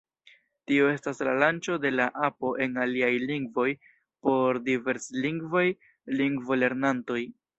Tio estos la lanĉo de la apo en aliaj lingvoj, por diverslingvaj lingvolernantoj.